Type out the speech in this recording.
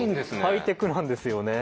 ハイテクなんですよね。